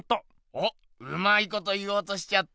おっうまいこと言おうとしちゃって。